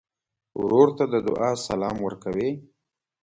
ورور ته د دعا سلام ورکوې.